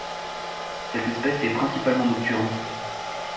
Cette espèce est principalement nocturne.